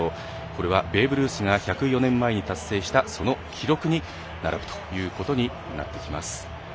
これがベーブ・ルースが１０４年前に達成したその記録に並ぶということになってきます。